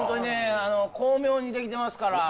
巧妙にできてますから。